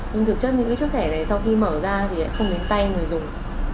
nhưng thực chất những cái chất thẻ này sau khi mở ra thì không đến tay người dùng